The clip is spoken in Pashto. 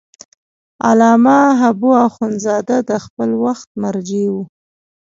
علامه حبو اخند زاده د خپل وخت مرجع و.